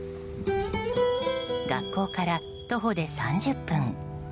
学校から徒歩で３０分。